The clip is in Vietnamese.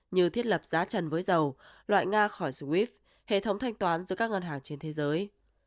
như thiết lập giá trần với dầu loại nga khỏi swif hệ thống thanh toán giữa các ngân hàng trên thế giới